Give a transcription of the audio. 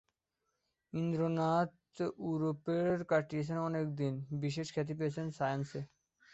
ইন্দ্রনাথ য়ুরোপে কাটিয়েছেন অনেক দিন, বিশেষ খ্যাতি পেয়েছেন সায়ান্সে।